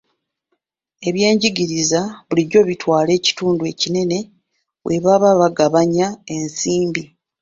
Ebyenjigiriza bulijjo bitwala ekitundu ekinene bwe baba bagabanya ensimbi.